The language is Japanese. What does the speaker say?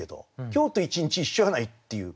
「今日」と「一日」一緒じゃないっていう。